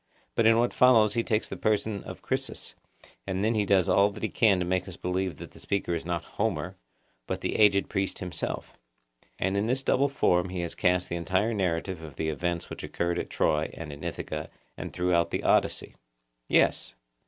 But in what follows he takes the person of Chryses, and then he does all that he can to make us believe that the speaker is not Homer, but the aged priest himself. And in this double form he has cast the entire narrative of the events which occurred at Troy and in Ithaca and throughout the Odyssey. Yes.